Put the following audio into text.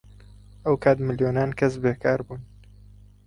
ئەو کات ملیۆنان کەس بێکار بوون.